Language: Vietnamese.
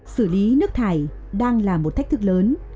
xử lý nước thải đang là một thách thức lớn